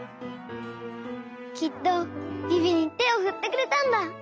きっとビビにてをふってくれたんだ！